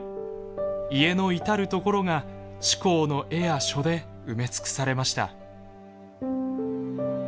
家の至る所が志功の絵や書で埋め尽くされました。